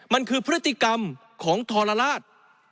มันคือพฤติกรรมของทรราช